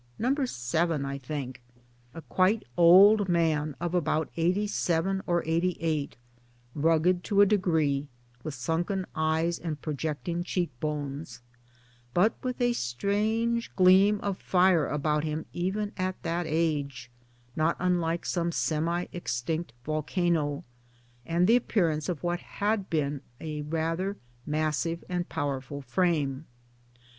No. 7 I think a quite old man of about eighty seven or eighty eight, rugged to a degree, with sunken eyes and pro jecting cheek bones, but with a strange gleam of fire about him even at that age not unlike some semi extinct volcano and the appearance of what had once been a rather massive and powerful frame.